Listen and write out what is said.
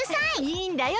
いいんだよ